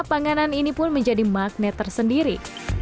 panganan ini pun menjadi magnet tersendiri